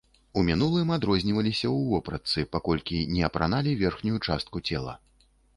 У мінулым адрозніваліся ў вопратцы, паколькі не апраналі верхнюю частку цела.